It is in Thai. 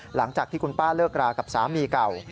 หลังจากที่คุณป้าเลิกรากับสามีเก่า